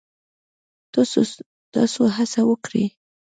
تاسو هڅه وکړئ